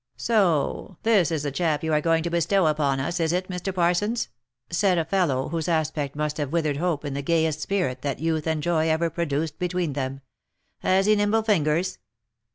" Soh ! This is the chap you are going to bestow upon us, is it, Mr. Parsons?" said a fellow, whose aspect must have withered hope in the gayest spirit that youth and joy ever produced between them. " Has he nimble fingers?"